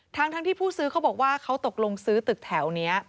ทั้งที่ผู้ซื้อเขาบอกว่าเขาตกลงซื้อตึกแถวนี้